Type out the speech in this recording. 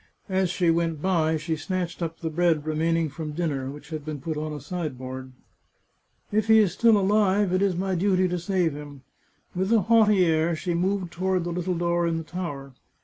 As she went by she snatched up the bread remaining from dinner, which had been put on a sideboard. " If he is still alive, it is my duty to save him." With a haughty air she moved toward the little door in the tower.